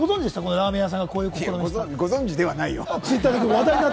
ラーメン屋さんがこういうことをご存じではないよ。